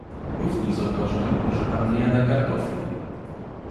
"Również zauważyłem że pan nie jada kartofli."